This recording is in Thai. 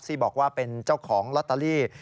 ที่บอกว่าเป็นเจ้าของลอตเตอรี่